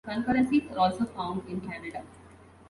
Concurrencies are also found in Canada.